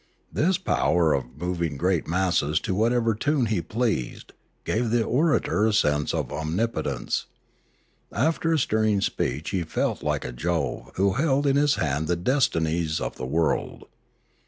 This power of moving great masses to whatever tune he pleased gave the orator a sense of omnipotence; after a stirring speech he felt like a Jove who held in his hand the destinies of the world.